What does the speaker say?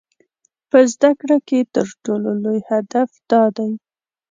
په زده کړه کې تر ټولو لوی هدف دا دی.